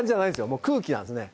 もう空気なんですね。